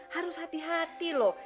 harus hati hati loh